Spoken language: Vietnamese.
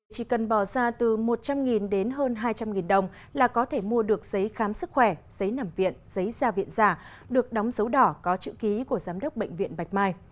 chỉ cần bỏ ra từ một trăm linh đến hơn hai trăm linh đồng là có thể mua được giấy khám sức khỏe giấy nằm viện giấy gia viện giả được đóng dấu đỏ có chữ ký của giám đốc bệnh viện bạch mai